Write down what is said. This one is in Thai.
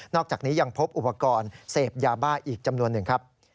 อกจากนี้ยังพบอุปกรณ์เสพยาบ้าอีกจำนวนหนึ่งครับ